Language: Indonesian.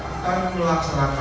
akan melaksanakan tugas